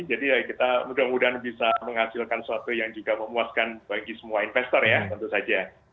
jadi kita mudah mudahan bisa menghasilkan suatu yang juga memuaskan bagi semua investor ya tentu saja